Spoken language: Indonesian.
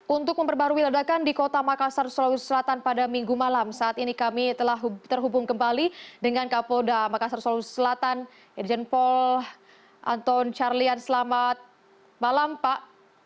untuk memperbarui ledakan di kota makassar sulawesi selatan pada minggu malam saat ini kami telah terhubung kembali dengan kapolda makassar sulawesi selatan irjen paul anton carlian selamat malam pak